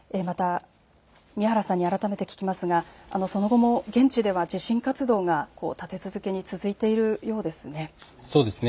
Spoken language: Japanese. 宮原さんに改めて聞きますが、その後も現地では地震活動が立て続けに続いているようですね。